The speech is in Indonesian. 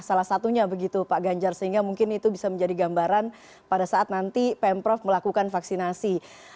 salah satunya begitu pak ganjar sehingga mungkin itu bisa menjadi gambaran pada saat nanti pemprov melakukan vaksinasi